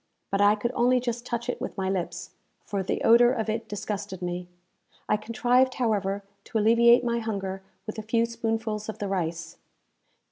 But I could only just touch it with my lips, for the odour of it disgusted me. I contrived, however, to alleviate my hunger with a few spoonfuls of the rice.